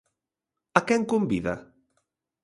A quen convida?